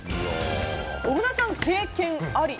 小倉さん、経験あり。